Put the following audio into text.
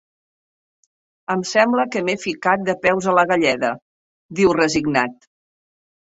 Em sembla que m'he ficat de peus a la galleda —diu, resignat.